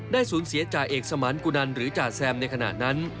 สูญเสียจ่าเอกสมานกุนันหรือจ่าแซมในขณะนั้น